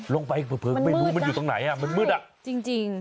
ลงไปเผลอไม่รู้มันอยู่ตรงไหนอ่ะมันมืดอ่ะมันมืดน่ะใช่จริง